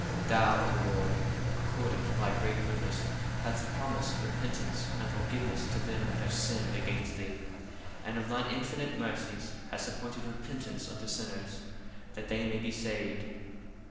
Thou, O Lord, according to thy great goodness hast promised repentance and forgiveness to them that have sinned against thee: and of thine infinite mercies hast appointed repentance unto sinners, that they may be saved.